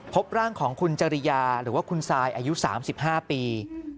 พบร่างของคุณจริยาหรือว่าคุณซายอายุ๓๕ปี